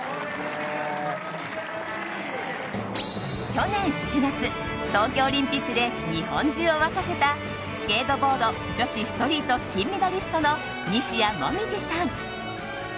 去年７月、東京オリンピックで日本中を沸かせたスケートボード女子ストリート金メダリストの西矢椛さん。